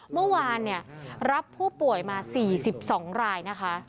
เมื่อวานรับผู้ป่วยมา๔๒รายนะคะ